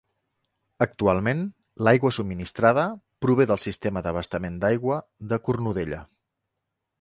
Actualment, l'aigua subministrada prové del sistema d'abastament d'aigua de Cornudella.